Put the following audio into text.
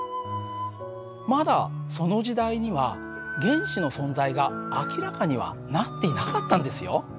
まだその時代には原子の存在が明らかにはなっていなかったんですよ。